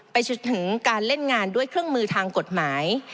จนถึงการเล่นงานด้วยเครื่องมือทางกฎหมาย